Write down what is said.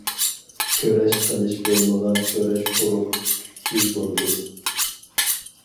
كۈرەش قىلىش بولمىغان كۈرەش قۇرۇق، كۈچسىز بولىدۇ.